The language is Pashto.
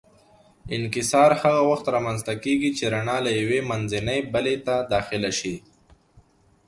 انکسار هغه وخت رامنځته کېږي چې رڼا له یوې منځنۍ بلې ته داخله شي.